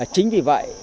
chính vì vậy